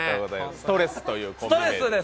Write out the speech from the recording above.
ストレスということで。